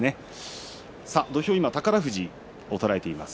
土俵は宝富士をとらえています。